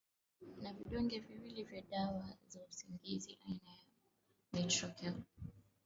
na vidonge vili viwili vya dawa za usingizi aina ya nitrocel